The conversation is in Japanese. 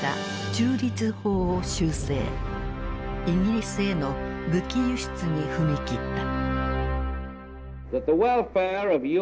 イギリスへの武器輸出に踏み切った。